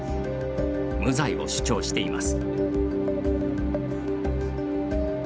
無罪を主張しています。